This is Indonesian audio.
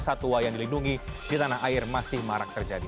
satwa yang dilindungi di tanah air masih marak terjadi